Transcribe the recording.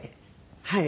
はい。